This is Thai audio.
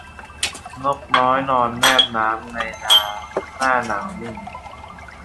นกน้อยนอนแนบน้ำในนาหน้าหนาวนิ่ง